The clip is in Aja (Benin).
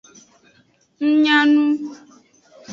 Ng nya nu.